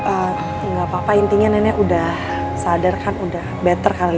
enggak apa apa intinya nenek sudah sadar kan sudah better kali ya